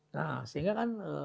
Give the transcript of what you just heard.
nah sehingga kan